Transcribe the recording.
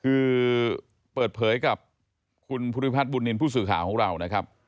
คือเปิดเผยกับคุณภูริพัฒนบุญนินทร์ผู้สื่อข่าวของเรานะครับ